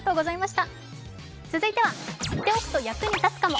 続いては知っておくと役に立つかも。